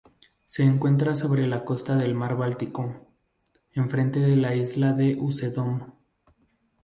Se encuentra sobre la costa del mar Báltico, enfrente de la isla de Usedom.